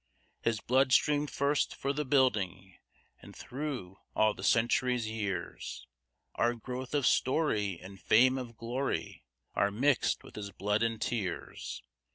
His blood streamed first for the building, and through all the century's years, Our growth of story and fame of glory are mixed with his blood and tears.